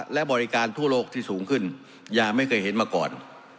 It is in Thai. และบริการทั่วโลกที่สูงขึ้นอย่างไม่เคยเห็นมาก่อน